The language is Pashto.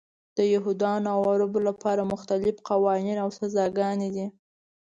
د یهودانو او عربو لپاره مختلف قوانین او سزاګانې دي.